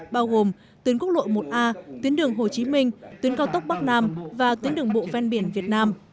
bao gồm tuyến quốc lộ một a tuyến đường hồ chí minh tuyến cao tốc bắc nam và tuyến đường bộ ven biển việt nam